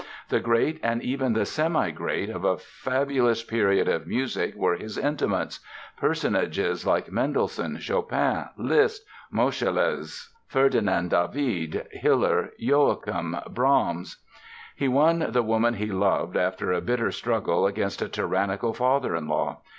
The great and even the semi great of a fabulous period of music were his intimates—personages like Mendelssohn, Chopin, Liszt, Moscheles, Ferdinand David, Hiller, Joachim, Brahms. He won the woman he loved after a bitter struggle against a tyrannical father in law.